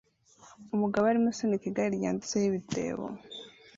Umugabo arimo asunika igare ryanditseho ibitebo